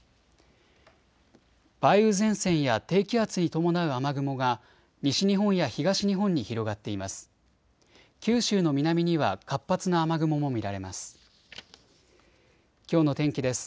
梅雨前線や低気圧に伴う雨雲が西日本や東日本に広がっています。